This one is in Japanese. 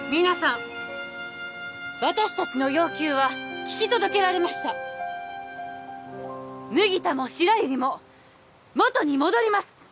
皆さん私達の要求は聞き届けられました麦田も白百合も元に戻ります！